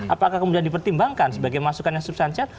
apakah kemudian dipertimbangkan sebagai masukan yang substansial